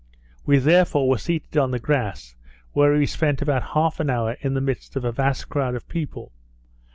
We therefore were seated on the grass, where we spent about half an hour in the midst of a vast crowd of people.